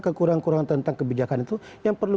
kekurangan kurangan tentang kebijakan itu yang perlu